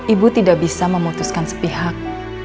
ibu tidak bisa memutuskan sepihak